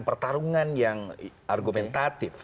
pertarungan yang argumentatif